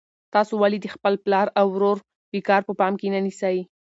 تاسو ولې د خپل پلار او ورور وقار په پام کې نه نیسئ؟